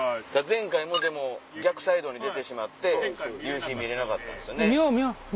前回もでも逆サイドに出てしまって夕日見れなかったんですよね。